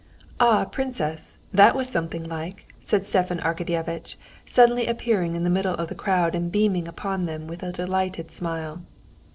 "Ah, princess! that was something like!" said Stepan Arkadyevitch, suddenly appearing in the middle of the crowd and beaming upon them with a delighted smile.